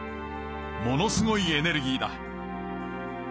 ものすごいエネルギーだ。